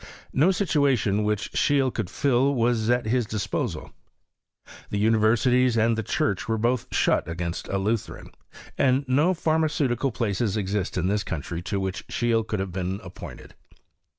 No situation which Scheele could fill was at his dis — SISTORV OF CUEMISTKV. The univergilies and the church were boti shut against a Lutheran ; and do pharniaceiitical places exist in this country to which Scheek could ' have been appointed.